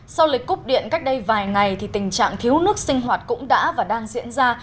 sau lịch cúp điện cách đây vài ngày thì tình trạng thiếu nước sinh hoạt cũng đã và đang diễn ra